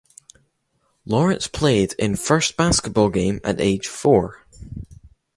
Lawrence played in first basketball game at age four.